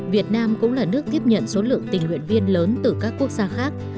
việt nam cũng là nước tiếp nhận số lượng tình nguyện viên lớn từ các quốc gia khác